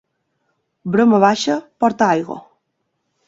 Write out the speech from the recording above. Broma baixa porta aigua.